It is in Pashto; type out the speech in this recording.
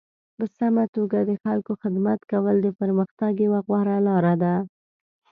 په سمه توګه د خلکو خدمت کول د پرمختګ یوه غوره لاره ده.